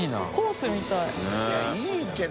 佑Аいやいいけど。